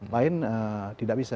lain tidak bisa